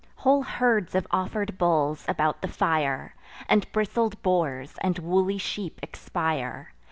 Whole herds of offer'd bulls, about the fire, And bristled boars, and woolly sheep expire.